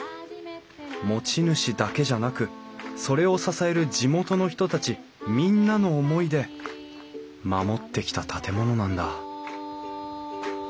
持ち主だけじゃなくそれを支える地元の人たちみんなの思いで守ってきた建物なんだ